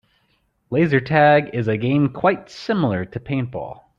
Laser tag is a game quite similar to paintball.